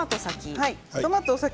トマトが先。